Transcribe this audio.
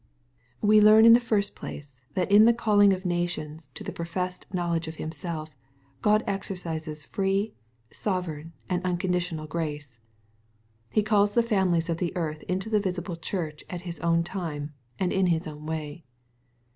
We learn, in the first place, that in the calling of nations to the professed knowledge of Himself God ex erciseSj free, sovereign, and unconditional grace. He calls the families of the earth into the visible church at His own time, and in His own way.